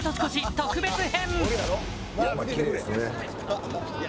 特別編。